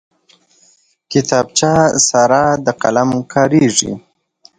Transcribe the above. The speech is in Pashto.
کتابچه سره د قلم کارېږي